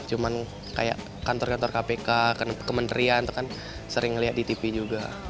cuman kayak kantor kantor kpk kementerian itu kan sering lihat di tv juga